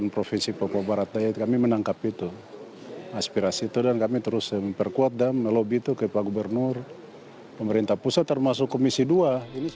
pemerintah pusat termasuk komisi dua